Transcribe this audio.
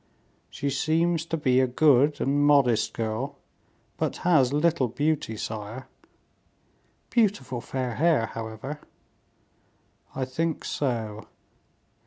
"She seems to be a good and modest girl, but has little beauty, sire." "Beautiful fair hair, however." "I think so."